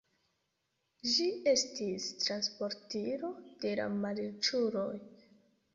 Ĝi estis transportilo de la malriĉuloj.